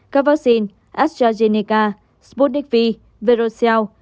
các vắc xin astrazeneca sputnik v veroxel